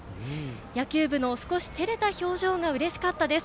野球部の少し照れた表情がうれしかったです。